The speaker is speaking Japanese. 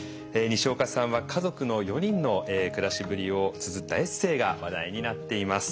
にしおかさんは家族の４人の暮らしぶりをつづったエッセーが話題になっています。